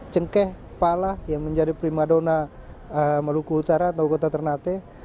cengkeh pala yang menjadi primadona maluku utara atau kota ternate